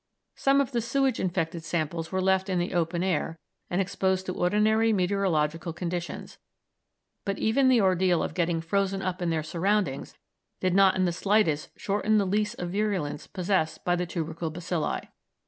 Some of the sewage infected samples were left in the open air and exposed to ordinary meteorological conditions, but even the ordeal of getting frozen up in their surroundings did not in the slightest shorten the lease of virulence possessed by the tubercle bacilli.